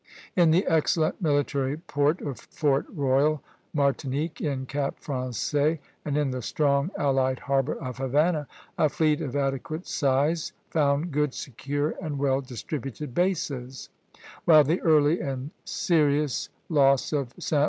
In the excellent military port of Fort Royal, Martinique, in Cap Français, and in the strong allied harbor of Havana, a fleet of adequate size found good, secure, and well distributed bases; while the early and serious loss of Sta.